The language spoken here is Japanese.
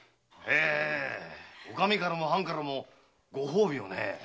お上からも藩からもご褒美をねえ。